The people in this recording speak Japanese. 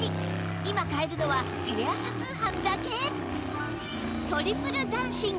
今買えるのはテレ朝通販だけ！